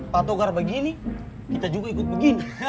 patogar begini kita juga ikut begini